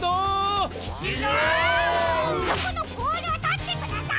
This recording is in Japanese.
そこのボールをとってください！